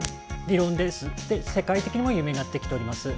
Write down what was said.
世界的にも有名になってきております。